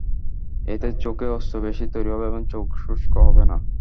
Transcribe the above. এতে চোখে অশ্রু বেশি তৈরি হবে এবং চোখ শুষ্ক হবে না।